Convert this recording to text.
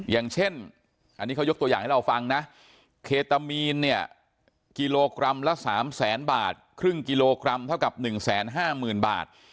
อย่างเช่นอันนี้เขายกตัวอย่างให้เราฟังนะ